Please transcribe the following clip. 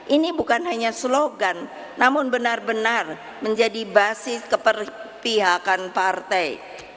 ini bukan hanya slogan namun benar benar menjadi basis keperpihakan partai